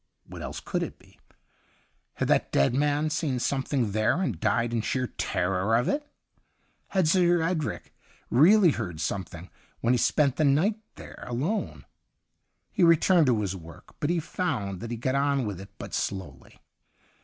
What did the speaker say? What else could it be ? Had that dead man seen something there and died in sheer terror of it .'' Had Sir Edric really heard something when he spent that night there alone .'' He returned to his work, but he found that he got on with it but slowly.